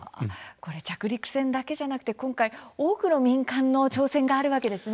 着陸船だけじゃなくて今回、多くの民間の挑戦があるわけですね。